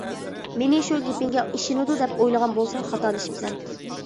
مېنى شۇ گېپىڭگە ئىشىنىدۇ، دەپ ئويلىغان بولساڭ خاتالىشىپسەن.